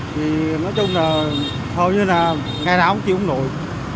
thì nói chung là hầu như là ngày nào cũng chịu không nổi